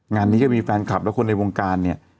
งานนี้ก็มีแฟนคลับและคนในวงการเนี่ย